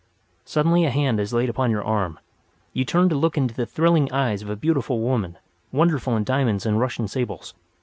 Suddenly a hand is laid upon your arm. You turn to look into the thrilling eyes of a beautiful woman, wonderful in diamonds and Russian sables.